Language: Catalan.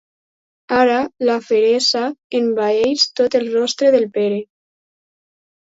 Ara la feresa envaeix tot el rostre del Pere.